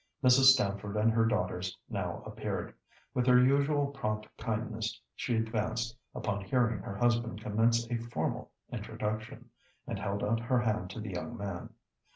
Mrs. Stamford and her daughters now appeared. With her usual prompt kindness she advanced, upon hearing her husband commence a formal introduction, and held out her hand to the young man.